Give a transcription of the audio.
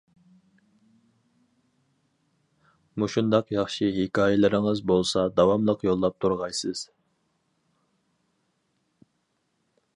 مۇشۇنداق ياخشى ھېكايىلىرىڭىز بولسا داۋاملىق يوللاپ تۇرغايسىز.